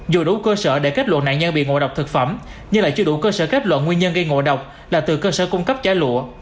dù đủ cơ sở để kết luận nạn nhân bị ngộ độc thực phẩm nhưng lại chưa đủ cơ sở kết luận nguyên nhân gây ngộ độc là từ cơ sở cung cấp chả lụa